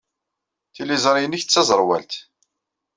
Tiliẓri-nnek d taẓerwalt.